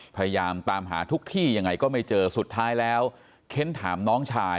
พยายามตามหาทุกที่ยังไงก็ไม่เจอสุดท้ายแล้วเค้นถามน้องชาย